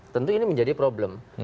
tentu ini menjadi problem